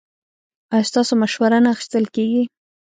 ایا ستاسو مشوره نه اخیستل کیږي؟